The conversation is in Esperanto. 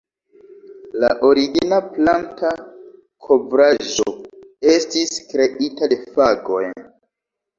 La origina planta kovraĵo estis kreita de fagoj.